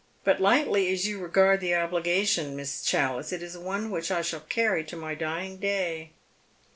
But lightly as you regard the obligation, Miss Challice, it is one which I shall caiTy to my dying day.